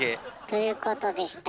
ということでした。